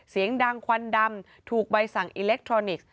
เสียงดังควันดำถูกใบสั่งอิเล็กทรอนิกส์